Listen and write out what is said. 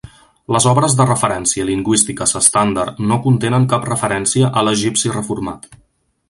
Les obres de referència lingüístiques estàndard no contenen cap referència a "l'egipci reformat".